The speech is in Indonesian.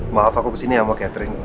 maaf aku kesini ya mau catering